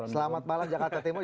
selamat malam jakarta timur